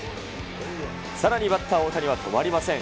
さらにバッター・大谷は止まりません。